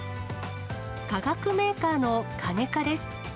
化学メーカーのカネカです。